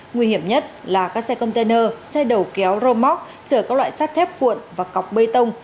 nguy hiểm nhất là các xe container xe đầu kéo rơ móc chở các loại sắt thép cuộn và cọc bê tông